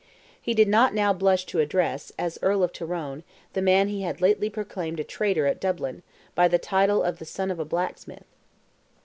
He did not now blush to address, as Earl of Tyrone, the man he had lately proclaimed a traitor at Dublin, by the title of the son of a blacksmith.